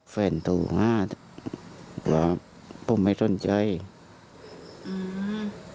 แฟนตัวมากว่าผมไม่สนใจอือ